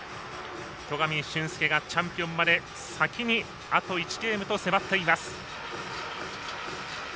戸上隼輔がチャンピオンまで先にあと１ゲームと迫っています。